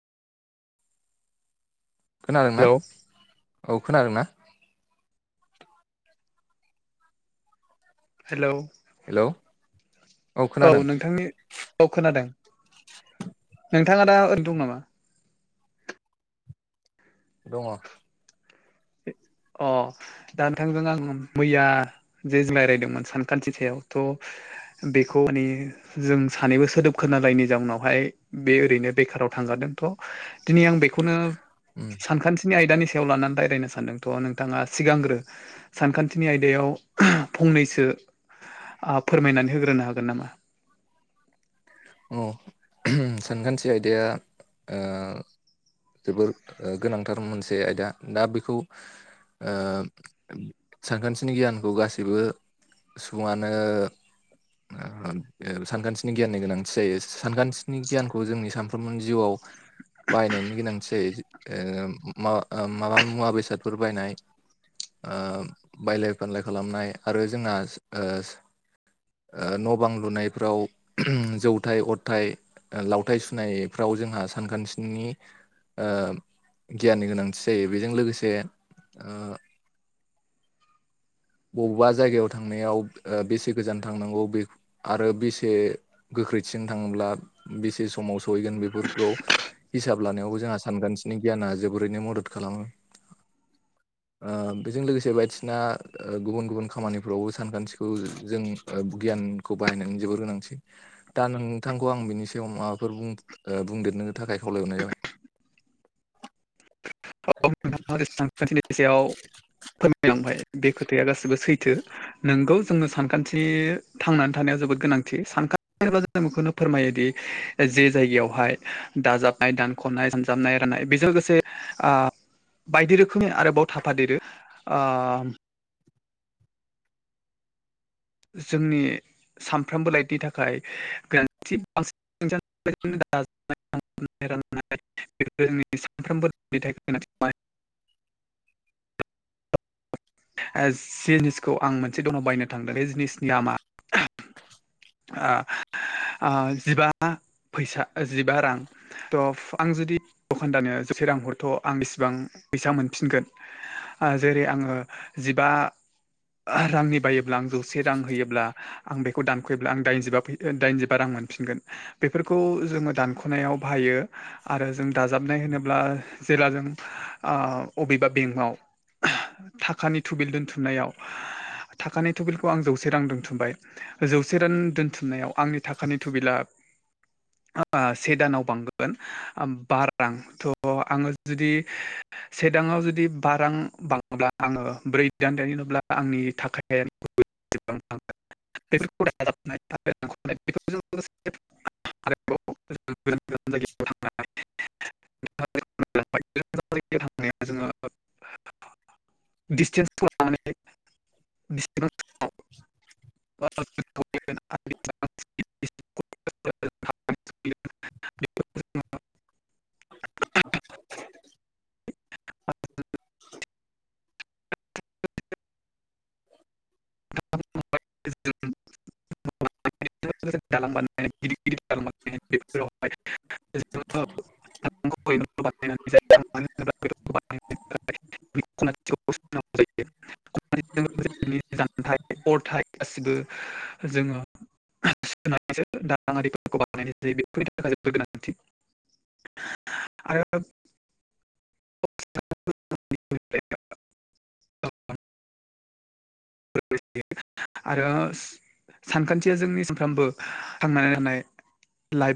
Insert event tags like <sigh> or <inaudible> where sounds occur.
खोनादों ना? हेलौ औ खोनादोंना? हेलौ हेलौ औ नोंथांनि औ खोनादों। नोंथाङा दा आरैनो दं नामा? दङ। अ' दा नोंथांजों आं मैया जे जिमाय रायदोंमोन सानखान्थि सायाव थ' बेखौ माने जों सानैबो सोदोब खोनालायिनि जाउनावहाय बे ओरैनो बेखाराव थांगारदोंथ' दिनै आं बेखौनो उम सानखान्थिनि आयदानि सायाव लानानै रायलायनो सानदों। थ' नोंथाङा सिगांग्रो सानखान्थिनि आयदायाव फंनैसो आ फोरमायनानै होग्रोनो हागोन नामा? अ' सानखान्थि आयदाया ओ जोबोर ओ गोनांथार मोनसे आयदा दा बेखौ ओ सानखान्थिनि गियानखौ गासैबो सुबङानो ओ सानखान्थिनि गियाननि गोनांथि जायो सानखान्थिनि गियानखौ जोंनि सानफ्रोमबो जिउआव बाहायनायनि गोनांथि जायो ओ मा माबा मुवा बेसादफोर बायनाय ओ बायलाय फानलाय खालामनाय आरो जोंहा ओस ओ न' बां लुनायफ्राव जौथाय अरथाइ लावथाइ सुनायफ्राव जोंहा सानखान्थिनि ओ गियाननि गोनांथि जायो बेजों लोगोसे ओ अबबा जायगायाव थांनायाव ओ बेसे गोजान थांनांगौ बेख आरो बेसे गोख्रैथिं थाङोब्ला बेसे समाव सहैगोन बेफोरखौ हिसाब लानायावबो जोंहा सानखान्थिनि गियाना जोबोरैनो मदद खालामो ओ बेजों लोगोसे बायथसिना ओ गुबुन गुबुन खामानिफ्रावबो सानखान्थिखौ जों गियानखौ बाहायनानै जोबोर गोनांथि दा नोंथांखौ आं बिनि सायाव माबाफोर बुं ओ बुंदेरनो थाखाय खावलायहरनाय जाबाय <inaudible> <unintelligible> सानखान्थिनि सायाव फोरमायलांबाय बे खोथाया गासैबो सैथो नोंगौ जोङो सानखान्थि थांनानै थानाया जोबोद गोनांथि सानखा <unintelligible> जों बेखौनो फोरमायोदि जे जायगायावहाय दाजाबनाय दानख'नाय सानजाबनाय राननाय बेजों लोगोसे आ बायदि रोखोमनि आरोबाव थाफादेरो ओ जोंनि सानफ्रोमबो लाइटनि थाखाय <unintelligible> <unintelligible> <unintelligible> जिनिसखौ आं मोनसे दनाव बायनो थांदों बे जिनिसनि दामा ओ ओ जिबा फैसा जिबा रां थ' आं जुदि दखानदारनो जौसे रां हरथ' आं इसिबां फैसा मोनफिनगोन ओ जेरै आङो जिबा रांनि बायोब्ला आं जौसे रां होयोब्ला आं बेखौ दानख'योब्ला आं दाइनजिबा दाइनजिबा रां मोनफिनगोन बेफोरखौ जोङो दानख'नायाव बाहायो आरो जों दाजाबनाय होनोब्ला जेला जों ओ अबेबा बेंकआव थाखानि थुबिल दोनथुमनायाव थाखानि थुबिलखौ आं जौसे रां दोनथुमबाय जौसे रान दोनथुमनायाव आंनि थाखानि थुबिला से दानाव बांगोन बा रां थ' आङो जुदि सेदाङाव जुदि बा रां बाङोब्ला आङो ब्रै दान <unintelligible> नोब्ला आंनि थाखाया <unintelligible> <unintelligible> <unintelligible> <unintelligible> <unintelligible> <inaudible> <unintelligible> <inaudible> <unintelligible> <unintelligible> <unintelligible> <unintelligible> <unintelligible> जानथाय अरथाय गासिबो जोङो <unintelligible> थाखाय जोबोर गोनांथि आरो <unintelligible> आरो सानखान्थिया जोंनि सानफ्रामबो थांनानै थानाय लाइफ